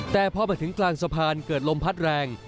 แต่พอมาถึงกลางสะพานเกิดลมพัดแรง